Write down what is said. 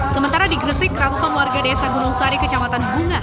sementara di gresik ratusan warga desa gunung sari kecamatan bunga